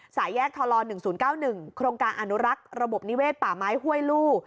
สายแยกทล๑๐๙๑โครงการอนุรักษ์ระบบนิเวศป่าไม้ห้วยลู่